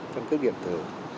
căn cước điện tử